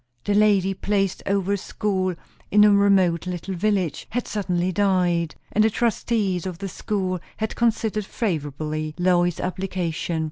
The lady placed over a school in a remote little village had suddenly died; and the trustees of the school had considered favourably Lois's application.